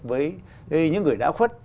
với những người đã khuất